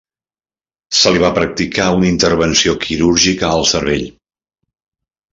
Se li va practicar una intervenció quirúrgica al cervell.